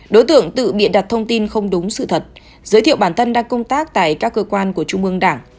đối tượng tự biện đặt thông tin không đúng sự thật giới thiệu bản thân đang công tác tại các cơ quan của trung ương đảng